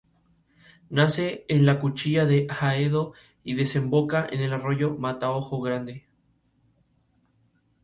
Nace en la Cuchilla de Haedo y desemboca en el arroyo Mataojo Grande.